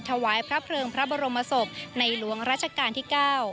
ถวายพระเพลิงพระบรมศพในหลวงราชการที่๙